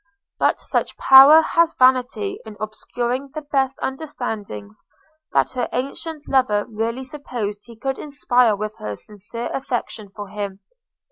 But such power has vanity in obscuring the best understandings, that her ancient lover really supposed he could inspire her with sincere affection for him.